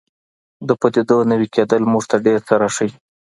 د پدیدو نوي کېدل موږ ته ډېر څه راښيي.